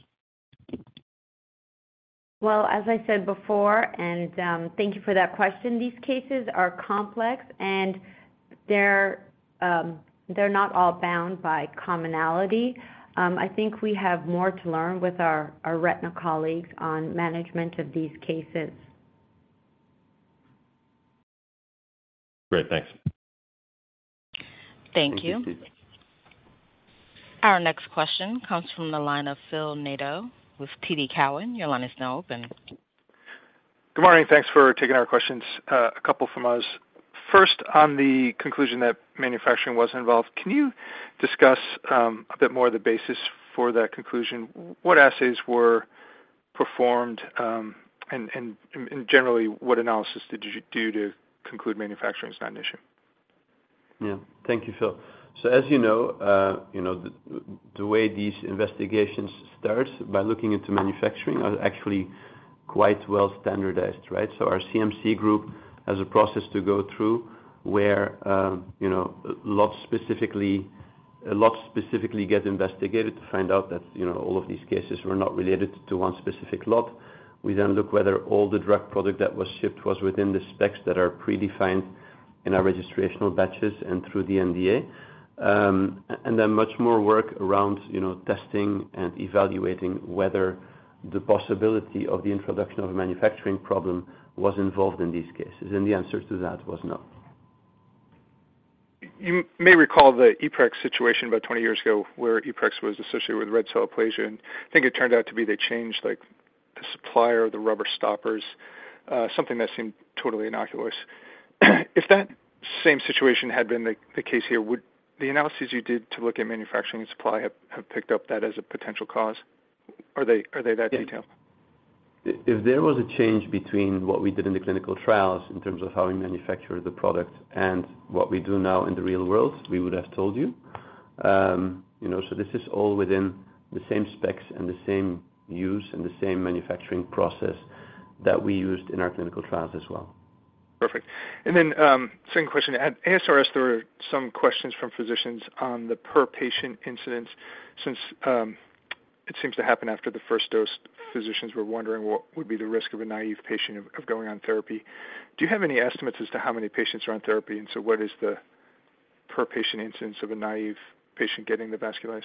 [SPEAKER 4] As I said before, and, thank you for that question, these cases are complex, and they're, they're not all bound by commonality. I think we have more to learn with our, our retina colleagues on management of these cases.
[SPEAKER 12] Great. Thanks.
[SPEAKER 1] Thank you.
[SPEAKER 3] Thank you, Steven.
[SPEAKER 1] Our next question comes from the line of Philip Nadeau with TD Cowen. Your line is now open.
[SPEAKER 13] Good morning. Thanks for taking our questions, a couple from us. First, on the conclusion that manufacturing wasn't involved, can you discuss a bit more of the basis for that conclusion? What assays were performed, and generally, what analysis did you do to conclude manufacturing is not an issue?
[SPEAKER 3] Yeah. Thank you, Phil. As you know, you know, the, the way these investigations starts by looking into manufacturing are quite well standardized, right? Our CMC group has a process to go through where, you know, lots specifically, lots specifically get investigated to find out that, you know, all of these cases were not related to one specific lot. We then look whether all the drug product that was shipped was within the specs that are predefined in our registrational batches and through the NDA. Then much more work around, you know, testing and evaluating whether the possibility of the introduction of a manufacturing problem was involved in these cases, and the answer to that was no.
[SPEAKER 13] You may recall the Eprex situation about 20 years ago, where Eprex was associated with red cell aplasia, and I think it turned out to be they changed, like, the supplier of the rubber stoppers, something that seemed totally innocuous. If that same situation had been the, the case here, would the analysis you did to look at manufacturing and supply have, have picked up that as a potential cause? Are they, are they that detailed?
[SPEAKER 3] If, if there was a change between what we did in the clinical trials in terms of how we manufacture the product and what we do now in the real world, we would have told you. You know, this is all within the same specs and the same use and the same manufacturing process that we used in our clinical trials as well.
[SPEAKER 13] Perfect. Then, second question: at ASRS, there were some questions from physicians on the per patient incidence. Since, it seems to happen after the first dose, physicians were wondering what would be the risk of a naive patient of going on therapy. Do you have any estimates as to how many patients are on therapy, and so what is the per patient incidence of a naive patient getting the vasculitis?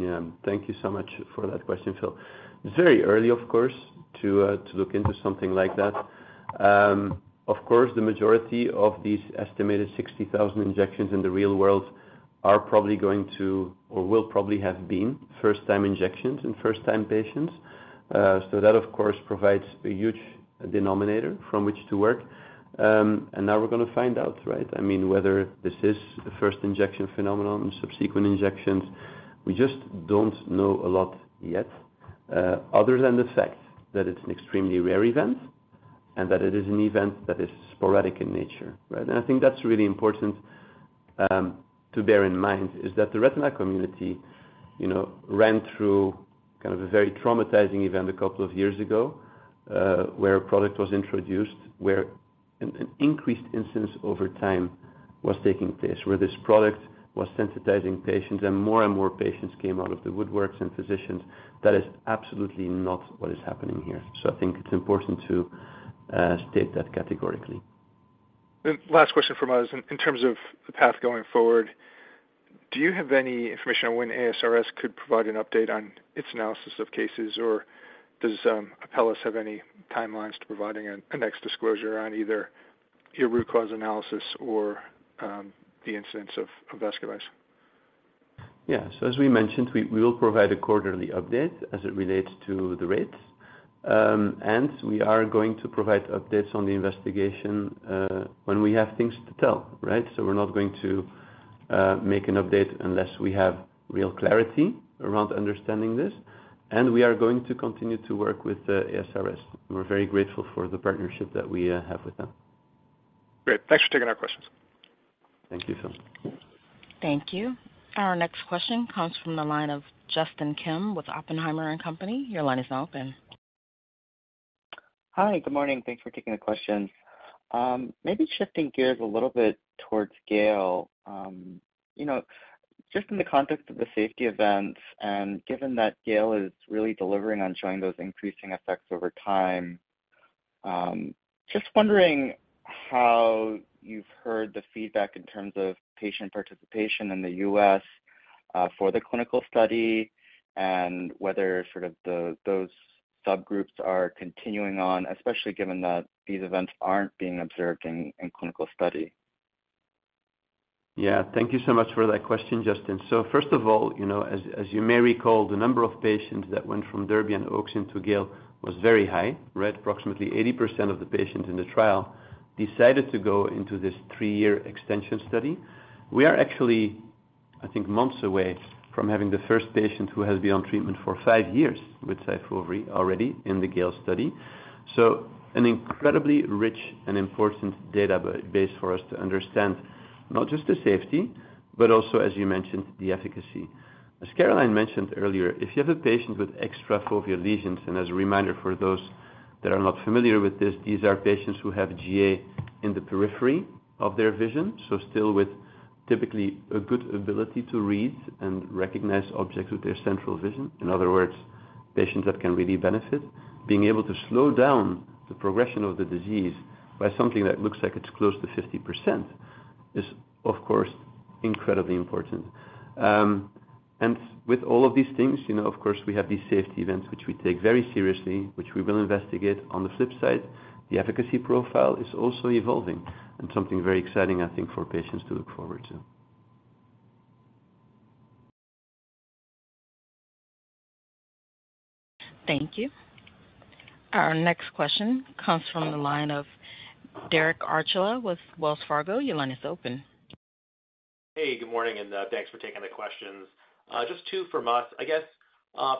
[SPEAKER 3] Yeah, thank you so much for that question, Phil. It's very early, of course, to look into something like that. Of course, the majority of these estimated 60,000 injections in the real world are probably going to or will probably have been first-time injections in first-time patients. That, of course, provides a huge denominator from which to work. Now we're going to find out, right? I mean, whether this is a first injection phenomenon, subsequent injections, we just don't know a lot yet, other than the fact that it's an extremely rare event and that it is an event that is sporadic in nature, right? I think that's really important to bear in mind, is that the retina community, you know, ran through kind of a very traumatizing event a couple of years ago, where an increased incidence over time was taking place, where this product was sensitizing patients, and more and more patients came out of the woodworks and physicians. That is absolutely not what is happening here. I think it's important to state that categorically.
[SPEAKER 13] Last question from us. In terms of the path going forward, do you have any information on when ASRS could provide an update on its analysis of cases, or does Apellis have any timelines to providing a next disclosure on either your root cause analysis or the incidence of vasculitis?
[SPEAKER 3] Yeah. As we mentioned, we, we will provide a quarterly update as it relates to the rates. We are going to provide updates on the investigation when we have things to tell, right? We're not going to make an update unless we have real clarity around understanding this, and we are going to continue to work with the ASRS. We're very grateful for the partnership that we have with them.
[SPEAKER 13] Great. Thanks for taking our questions.
[SPEAKER 3] Thank you, Phil.
[SPEAKER 1] Thank you. Our next question comes from the line of Justin Kim with Oppenheimer & Co. Your line is now open.
[SPEAKER 14] Hi, good morning. Thanks for taking the questions. Maybe shifting gears a little bit towards GALE. You know, just in the context of the safety events and given that GALE is really delivering on showing those increasing effects over time, just wondering how you've heard the feedback in terms of patient participation in the U.S. for the clinical study and whether sort of the, those subgroups are continuing on, especially given that these events aren't being observed in clinical study.
[SPEAKER 3] Yeah. Thank you so much for that question, Justin. First of all, you know, as, as you may recall, the number of patients that went from DERBY and OAKS into GALE was very high, right? Approximately 80% of the patients in the trial decided to go into this three-year extension study. We are actually, I think, months away from having the first patient who has been on treatment for five years with SYFOVRE already in the GALE study. An incredibly rich and important data base for us to understand not just the safety, but also, as you mentioned, the efficacy. As Caroline mentioned earlier, if you have a patient with extrafoveal lesions, and as a reminder for those that are not familiar with this, these are patients who have GA in the periphery of their vision. Still with typically a good ability to read and recognize objects with their central vision. In other words, patients that can really benefit. Being able to slow down the progression of the disease by something that looks like it's close to 50% is, of course, incredibly important. With all of these things, you know, of course, we have these safety events, which we take very seriously, which we will investigate. On the flip side, the efficacy profile is also evolving and something very exciting, I think, for patients to look forward to.
[SPEAKER 1] Thank you. Our next question comes from the line of Derek Archila with Wells Fargo. Your line is open.
[SPEAKER 15] Hey, good morning, and thanks for taking the questions. Just two from us. I guess,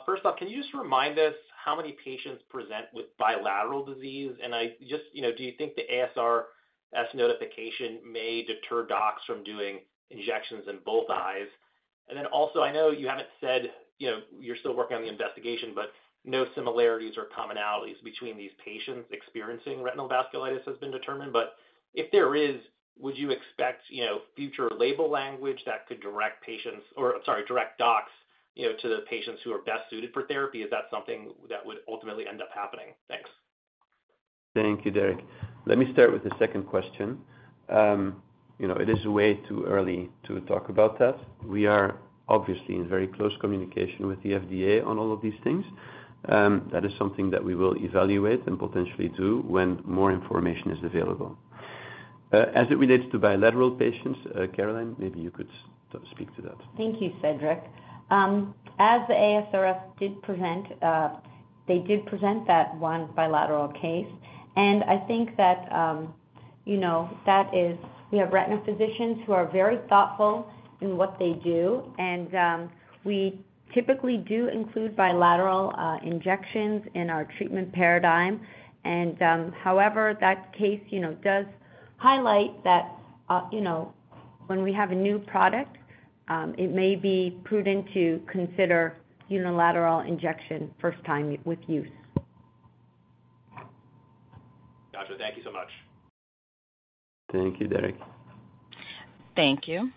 [SPEAKER 15] first off, can you just remind us how many patients present with bilateral disease? I just, you know, do you think the ASRS notification may deter docs from doing injections in both eyes? ...Then also, I know you haven't said, you know, you're still working on the investigation, but no similarities or commonalities between these patients experiencing retinal vasculitis has been determined. If there is, would you expect, you know, future label language that could direct patients or, sorry, direct docs, you know, to the patients who are best suited for therapy? Is that something that would ultimately end up happening? Thanks.
[SPEAKER 3] Thank you, Derek. Let me start with the second question. You know, it is way too early to talk about that. We are obviously in very close communication with the FDA on all of these things. That is something that we will evaluate and potentially do when more information is available. As it relates to bilateral patients, Caroline, maybe you could speak to that.
[SPEAKER 4] Thank you, Cedric. As the ASRS did present, they did present that one bilateral case, and I think that, you know, that is- we have retina physicians who are very thoughtful in what they do, and we typically do include bilateral injections in our treatment paradigm. However, that case, you know, does highlight that, you know, when we have a new product, it may be prudent to consider unilateral injection first time with use.
[SPEAKER 15] Gotcha. Thank you so much.
[SPEAKER 3] Thank you, Derek.
[SPEAKER 1] Thank you.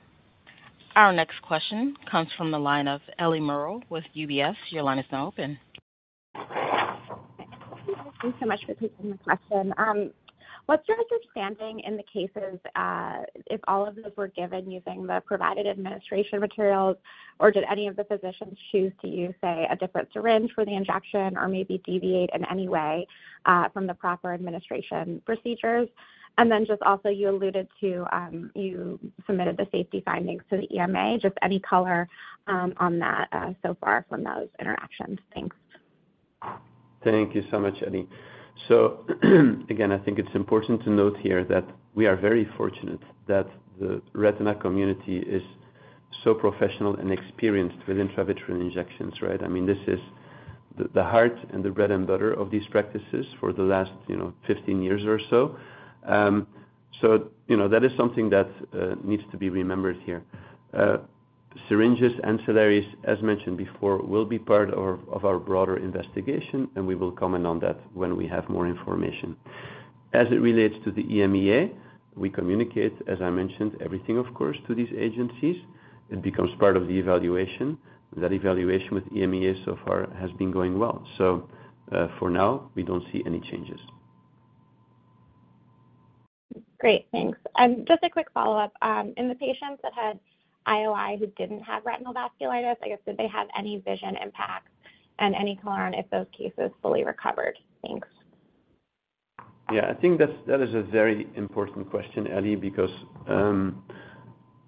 [SPEAKER 1] Our next question comes from the line of Ellie Merle with UBS. Your line is now open.
[SPEAKER 16] Thank you so much for taking the question. What's your understanding in the cases, if all of them were given using the provided administration materials, or did any of the physicians choose to use, say, a different syringe for the injection or maybe deviate in any way, from the proper administration procedures? Just also you alluded to, you submitted the safety findings to the EMA. Just any color, on that, so far from those interactions? Thanks.
[SPEAKER 3] Thank you so much, Ellie. Again, I think it's important to note here that we are very fortunate that the retina community is so professional and experienced with intravitreal injections, right? I mean, this is the heart and the bread and butter of these practices for the last, you know, 15 years or so. So you know, that is something that needs to be remembered here. Syringes, ancillaries, as mentioned before, will be part of our broader investigation, and we will comment on that when we have more information. As it relates to the EMA, we communicate, as I mentioned, everything, of course, to these agencies. It becomes part of the evaluation. That evaluation with EMA so far has been going well. For now, we don't see any changes.
[SPEAKER 16] Great. Thanks. Just a quick follow-up. In the patients that had IOI who didn't have retinal vasculitis, I guess, did they have any vision impacts and any color on if those cases fully recovered? Thanks.
[SPEAKER 3] Yeah, I think that's, that is a very important question, Ellie, because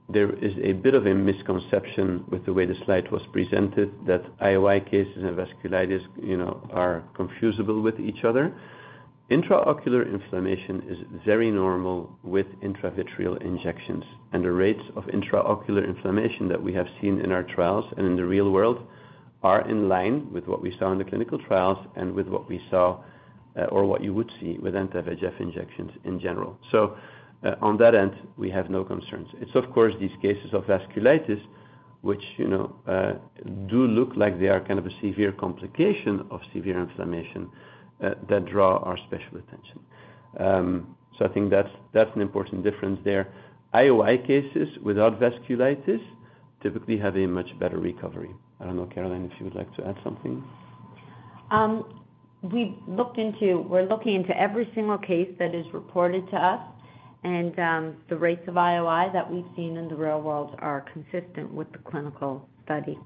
[SPEAKER 3] there is a bit of a misconception with the way the slide was presented, that IOI cases and vasculitis, you know, are confusable with each other. Intraocular inflammation is very normal with intravitreal injections, and the rates of intraocular inflammation that we have seen in our trials and in the real world are in line with what we saw in the clinical trials and with what we saw, or what you would see with anti-VEGF injections in general. On that end, we have no concerns. It's of course, these cases of vasculitis which, you know, do look like they are kind of a severe complication of severe inflammation, that draw our special attention. I think that's, that's an important difference there. IOI cases without vasculitis typically have a much better recovery. I don't know, Caroline, if you would like to add something?
[SPEAKER 4] We're looking into every single case that is reported to us, and the rates of IOI that we've seen in the real world are consistent with the clinical study.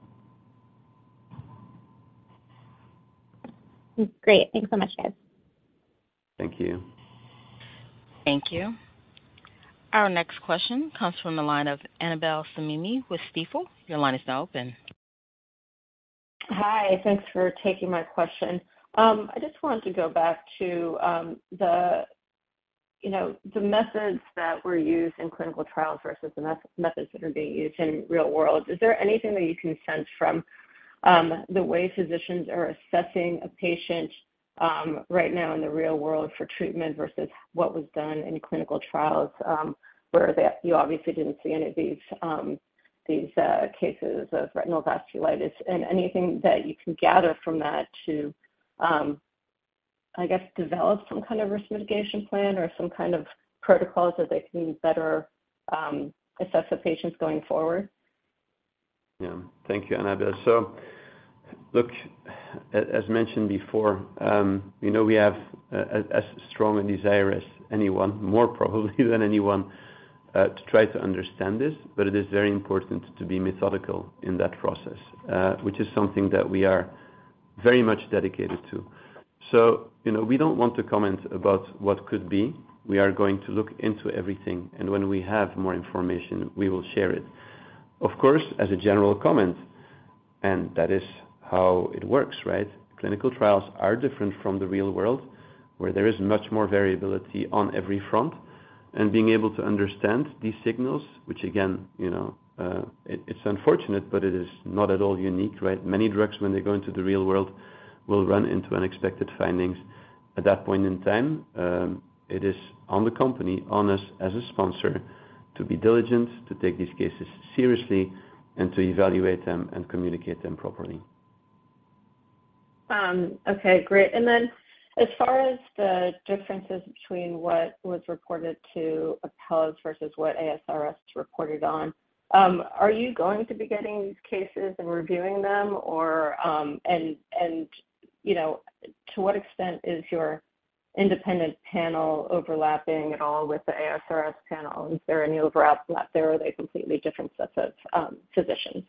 [SPEAKER 16] Great. Thanks so much, guys.
[SPEAKER 3] Thank you.
[SPEAKER 1] Thank you. Our next question comes from the line of Annabel Samimy with Stifel. Your line is now open.
[SPEAKER 17] Hi, thanks for taking my question. I just wanted to go back to, you know, the methods that were used in clinical trials versus the methods that are being used in real world. Is there anything that you can sense from the way physicians are assessing a patient right now in the real world for treatment versus what was done in clinical trials, where they, you obviously didn't see any of these, these cases of retinal vasculitis? Anything that you can gather from that to, I guess, develop some kind of risk mitigation plan or some kind of protocols that they can better assess the patients going forward?
[SPEAKER 3] Yeah. Thank you, Annabel. Look, as, as mentioned before, we know we have a, a, as strong a desire as anyone, more probably than anyone, to try to understand this, but it is very important to be methodical in that process, which is something that we are very much dedicated to. You know, we don't want to comment about what could be. We are going to look into everything, and when we have more information, we will share it. As a general comment, and that is how it works, right? Clinical trials are different from the real world, where there is much more variability on every front, and being able to understand these signals, which again, you know, it, it's unfortunate, but it is not at all unique, right? Many drugs, when they go into the real world, will run into unexpected findings. At that point in time, it is on the company, on us as a sponsor, to be diligent, to take these cases seriously and to evaluate them and communicate them properly.
[SPEAKER 17] Okay, great. Then as far as the differences between what was reported to Apellis versus what ASRS reported on, are you going to be getting these cases and reviewing them, or? You know, to what extent is your independent panel overlapping at all with the ASRS panel? Is there any overlap there, or are they completely different sets of physicians?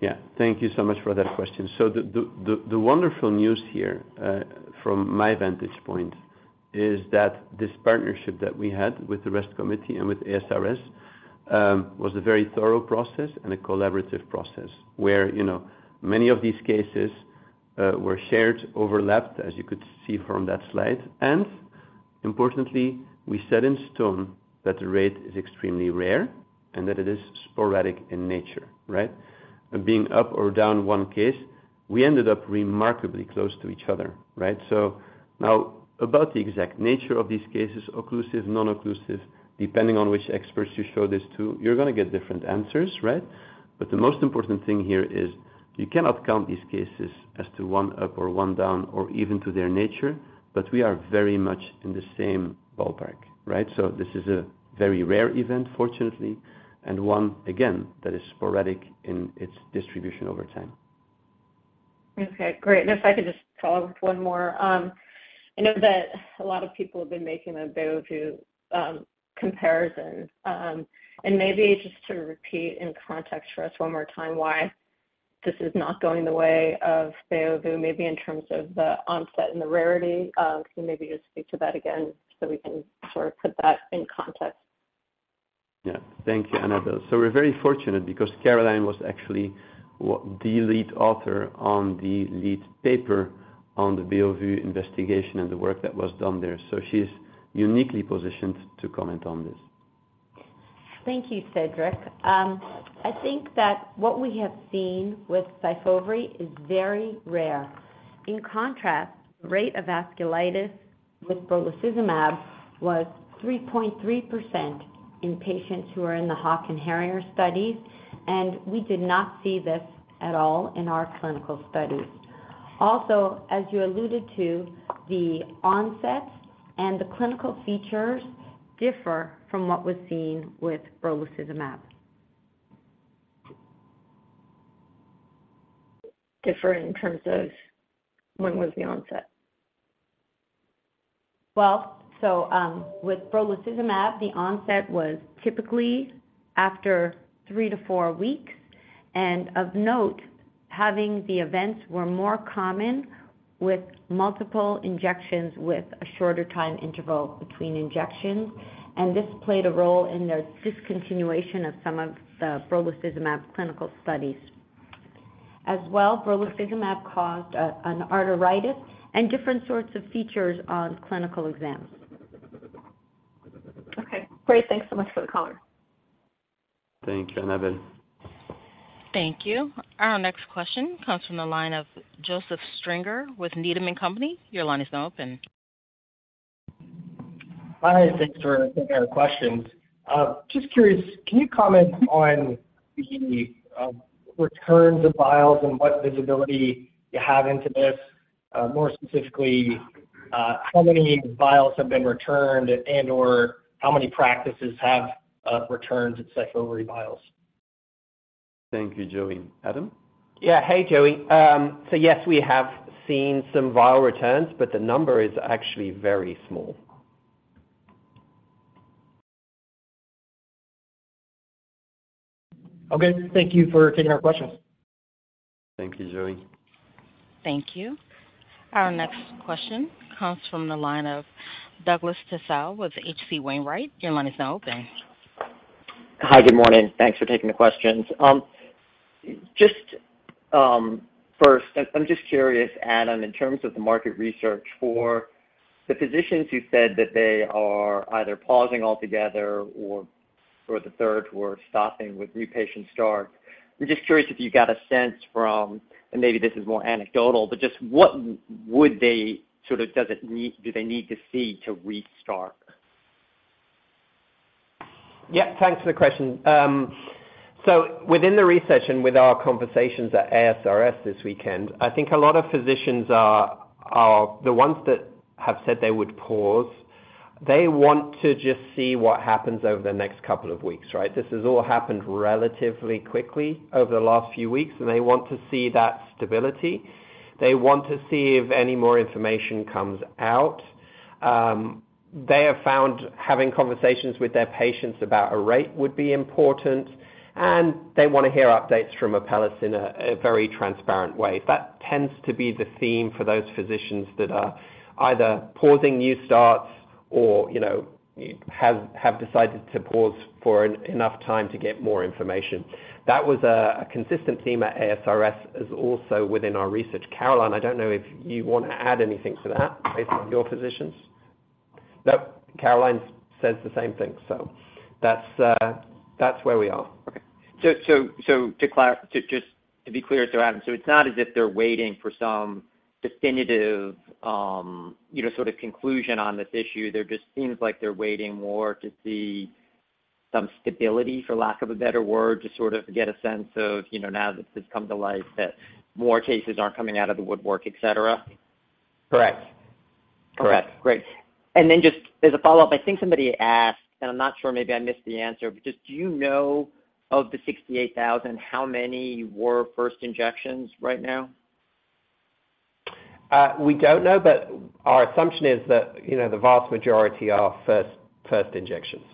[SPEAKER 3] Yeah. Thank you so much for that question. The, the, the, the wonderful news here, from my vantage point is that this partnership that we had with the ReST Committee and with ASRS, was a very thorough process and a collaborative process, where, you know, many of these cases, were shared, overlapped, as you could see from that slide. Importantly, we set in stone that the rate is extremely rare and that it is sporadic in nature, right? Being up or down one case, we ended up remarkably close to each other, right? Now, about the exact nature of these cases, occlusive, non-occlusive, depending on which experts you show this to, you're gonna get different answers, right? The most important thing here is you cannot count these cases as to one up or one down or even to their nature, but we are very much in the same ballpark, right? This is a very rare event, fortunately, and one, again, that is sporadic in its distribution over time.
[SPEAKER 17] Okay, great. If I could just follow up with one more. I know that a lot of people have been making a Beovu comparison. Maybe just to repeat in context for us one more time, why this is not going the way of Beovu, maybe in terms of the onset and the rarity. Can you maybe just speak to that again, so we can sort of put that in context?
[SPEAKER 3] Yeah. Thank you, Annabel. We're very fortunate because Caroline was actually the lead author on the lead paper on the Beovu investigation and the work that was done there. She's uniquely positioned to comment on this.
[SPEAKER 4] Thank you, Cedric. I think that what we have seen with SYFOVRE is very rare. In contrast, the rate of vasculitis with brolucizumab was 3.3% in patients who were in the HAWK and HARRIER studies, and we did not see this at all in our clinical studies. Also, as you alluded to, the onset and the clinical features differ from what was seen with brolucizumab.
[SPEAKER 17] Differ in terms of when was the onset?
[SPEAKER 4] With brolucizumab, the onset was typically after three to four weeks. Of note, having the events were more common with multiple injections, with a shorter time interval between injections, and this played a role in the discontinuation of some of the brolucizumab clinical studies. As well, brolucizumab caused a, an arteritis and different sorts of features on clinical exams.
[SPEAKER 17] Okay, great. Thanks so much for the color.
[SPEAKER 3] Thank you, Annabel.
[SPEAKER 1] Thank you. Our next question comes from the line of Joseph Stringer with Needham & Co. Your line is now open.
[SPEAKER 18] Hi, thanks for taking our questions. Just curious, can you comment on the returns of vials and what visibility you have into this? More specifically, how many vials have been returned and/or how many practices have returned SYFOVRE vials?
[SPEAKER 3] Thank you, Joey. Adam?
[SPEAKER 5] Yeah. Hey, Joey. Yes, we have seen some vial returns, but the number is actually very small.
[SPEAKER 18] Okay. Thank you for taking our questions.
[SPEAKER 3] Thank you, Joey.
[SPEAKER 1] Thank you. Our next question comes from the line of Douglas Tsao with H.C. Wainwright. Your line is now open.
[SPEAKER 19] Hi, good morning. Thanks for taking the questions. First, I'm just curious, Adam, in terms of the market research for the physicians who said that they are either pausing altogether or the third who are stopping with new patient start. I'm just curious if you got a sense from, and maybe this is more anecdotal, but just what would they, sort of, need to see to restart?
[SPEAKER 5] Yeah, thanks for the question. Within the research and with our conversations at ASRS this weekend, I think a lot of physicians are, are the ones that have said they would pause. They want to just see what happens over the next couple of weeks, right? This has all happened relatively quickly over the last few weeks, and they want to see that stability. They want to see if any more information comes out. They have found having conversations with their patients about a rate would be important, and they want to hear updates from Apellis in a, a very transparent way. That tends to be the theme for those physicians that are either pausing new starts or, you know, have, have decided to pause for an enough time to get more information. That was a, a consistent theme at ASRS, as also within our research. Caroline, I don't know if you want to add anything to that based on your physicians? Nope, Caroline says the same thing. That's, that's where we are.
[SPEAKER 19] Okay. Just, just to be clear, Adam, it's not as if they're waiting for some definitive, you know, sort of conclusion on this issue. There just seems like they're waiting more to see-... some stability, for lack of a better word, to sort of get a sense of, you know, now that this has come to light, that more cases aren't coming out of the woodwork, et cetera?
[SPEAKER 5] Correct. Correct.
[SPEAKER 19] Okay, great. Just as a follow-up, I think somebody asked, and I'm not sure, maybe I missed the answer, but just do you know of the 68,000, how many were first injections right now?
[SPEAKER 5] We don't know, but our assumption is that, you know, the vast majority are first, first injections.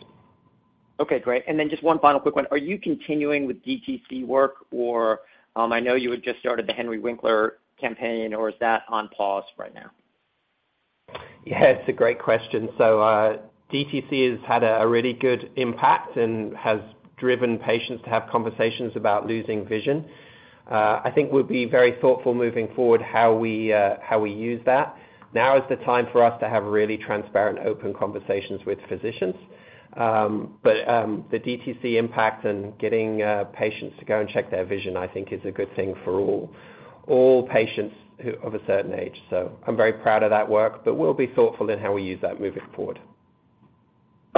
[SPEAKER 19] Then just one final quick one. Are you continuing with DTC work, or, I know you had just started the Henry Winkler campaign, or is that on pause right now?
[SPEAKER 5] Yeah, it's a great question. DTC has had a really good impact and has driven patients to have conversations about losing vision. I think we'll be very thoughtful moving forward, how we how we use that. Now is the time for us to have really transparent, open conversations with physicians. The DTC impact and getting patients to go and check their vision, I think is a good thing for all, all patients who- of a certain age. I'm very proud of that work, but we'll be thoughtful in how we use that moving forward.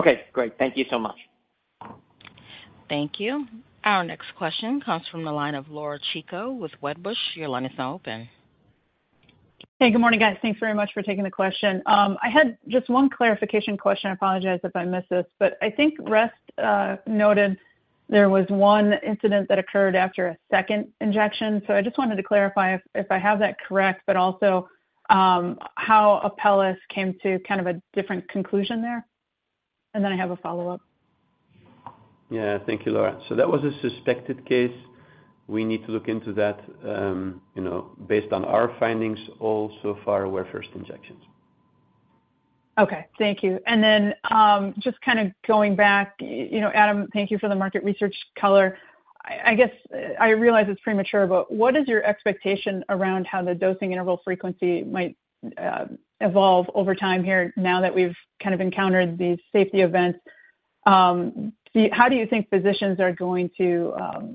[SPEAKER 19] Okay, great. Thank you so much.
[SPEAKER 1] Thank you. Our next question comes from the line of Laura Chico with Wedbush. Your line is now open.
[SPEAKER 20] Hey, good morning, guys. Thanks very much for taking the question. I had just 1 clarification question. I apologize if I missed this, but I think ReST Committee noted there was 1 incident that occurred after a second injection. I just wanted to clarify if I have that correct, but also, how Apellis Pharmaceuticals came to kind of a different conclusion there? Then I have a follow-up.
[SPEAKER 3] Yeah. Thank you, Laura. That was a suspected case. We need to look into that. you know, based on our findings, all so far were first injections.
[SPEAKER 20] Okay. Thank you. Just kind of going back, you know, Adam, thank you for the market research color. I, I guess, I realize it's premature, but what is your expectation around how the dosing interval frequency might evolve over time here, now that we've kind of encountered these safety events? How do you think physicians are going to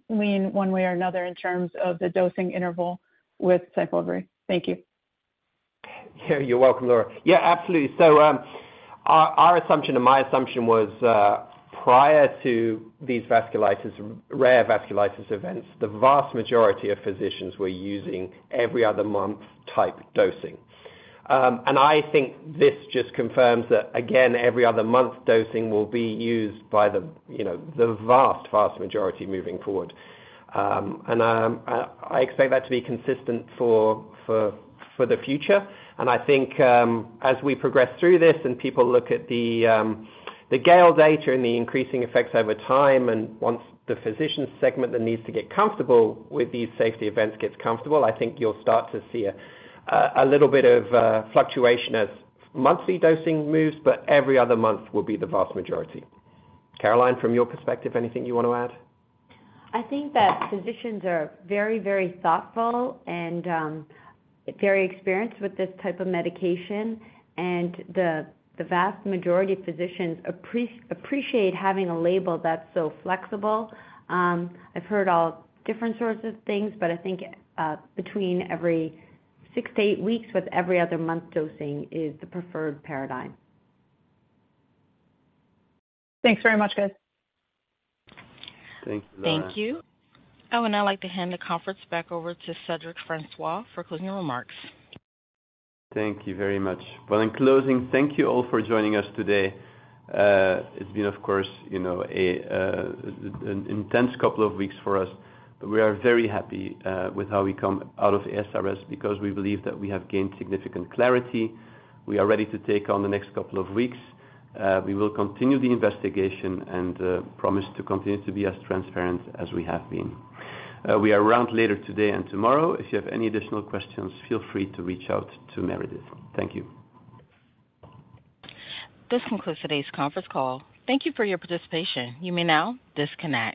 [SPEAKER 20] lean one way or another in terms of the dosing interval with SYFOVRE? Thank you.
[SPEAKER 5] Yeah, you're welcome, Laura. Yeah, absolutely. Our, our assumption and my assumption was, prior to these vasculitis, rare vasculitis events, the vast majority of physicians were using every other month type dosing. I think this just confirms that, again, every other month dosing will be used by the, you know, the vast, vast majority moving forward. I expect that to be consistent for, for, for the future. I think, as we progress through this and people look at the, the GALE data and the increasing effects over time, once the physician segment that needs to get comfortable with these safety events gets comfortable, I think you'll start to see a, a little bit of, fluctuation as monthly dosing moves, but every other month will be the vast majority. Caroline, from your perspective, anything you want to add?
[SPEAKER 4] I think that physicians are very, very thoughtful and very experienced with this type of medication. The vast majority of physicians appreciate having a label that's so flexible. I've heard all different sorts of things, but I think between every six to eight weeks, with every other month dosing is the preferred paradigm.
[SPEAKER 20] Thanks very much, guys.
[SPEAKER 3] Thank you, Laura.
[SPEAKER 1] Thank you. Oh, I'd like to hand the conference back over to Cedric Francois for closing remarks.
[SPEAKER 3] Thank you very much. Well, in closing, thank you all for joining us today. It's been, of course, you know, a, an intense couple of weeks for us, but we are very happy with how we come out of the ASRS, because we believe that we have gained significant clarity. We are ready to take on the next couple of weeks. We will continue the investigation and promise to continue to be as transparent as we have been. We are around later today and tomorrow. If you have any additional questions, feel free to reach out to Meredith. Thank you.
[SPEAKER 1] This concludes today's conference call. Thank you for your participation. You may now disconnect.